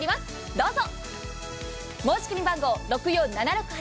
どうぞ！